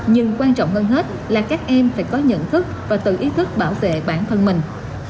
nhưng quan trọng hơn hết là các em phải có nhận thức và tự ý thức bảo vệ bản thân mình